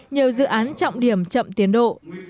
nhiều dự án trọng điểm chậm tiến độ